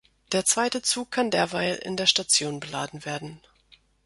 Der zweite Zug kann derweil in der Station beladen werden.